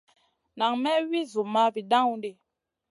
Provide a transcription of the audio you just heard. Nan may wi Zumma vi dawn ɗi.